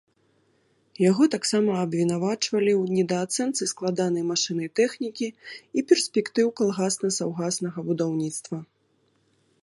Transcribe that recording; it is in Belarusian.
Яго таксама абвінавачвалі ў недаацэнцы складанай машыннай тэхнікі і перспектыў калгасна-саўгаснага будаўніцтва.